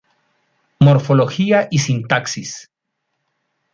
Morfología y Sintaxis.